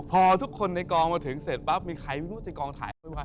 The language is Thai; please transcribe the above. พอทุกคนในกองมาถึงเสร็จปั๊บมีใครไม่รู้สิกองถ่ายไปบ้าง